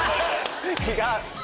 違う。